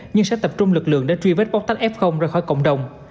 nhưng sẽ tập trung lực lượng để truy vết bóc tách f ra khỏi cộng đồng